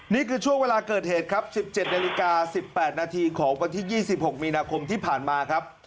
นี่คือช่วงเวลาเกิดเหตุครับ๑๗นาฬิกา๑๘นาทีของวันที่๒๖มีนาคมที่ผ่านมาครับ